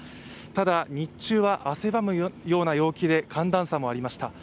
ただ日中は汗ばむような陽気で寒暖差もありました。